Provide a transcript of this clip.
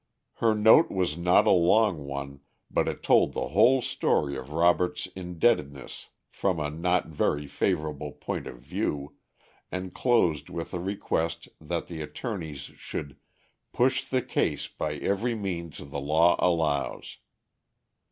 Her note was not a long one, but it told the whole story of Robert's indebtedness from a not very favorable point of view, and closed with a request that the attorneys should "push the case by every means the law allows."